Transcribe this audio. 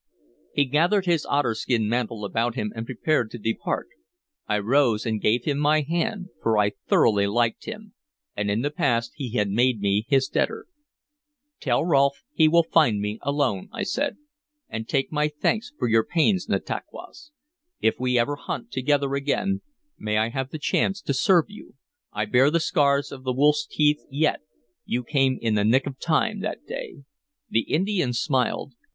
He gathered his otterskin mantle about him and prepared to depart. I rose and gave him my hand, for I thoroughly liked him, and in the past he had made me his debtor. "Tell Rolfe he will find me alone," I said, "and take my thanks for your pains, Nantauquas. If ever we hunt together again, may I have the chance to serve you! I bear the scars of the wolf's teeth yet; you came in the nick of time, that day." The Indian smiled.